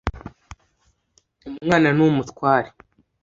umwana ni umutware